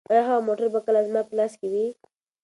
ایا هغه موټر به کله زما په لاس کې وي؟